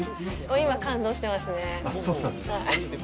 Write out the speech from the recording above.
今、感動してますね。